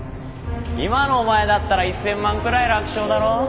今のお前だったら１０００万くらい楽勝だろ？